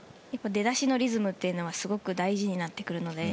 出だしのリズムはすごく大事になってきますね。